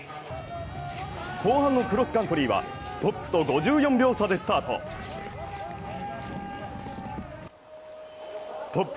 後半のクロスカントリーはトップと５４秒差でスタート。